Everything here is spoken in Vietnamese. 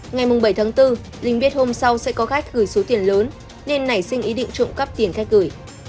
ngày bảy tháng bốn linh biết hôm sau sẽ có khách gửi số tiền lớn nên nảy sinh ý định trộm cắp tiền khách gửi